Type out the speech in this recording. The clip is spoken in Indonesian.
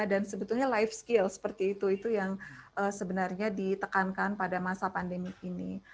dan sebetulnya life skills seperti itu itu yang sebenarnya ditekankan pada masa pandemi ini